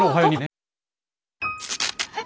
はい。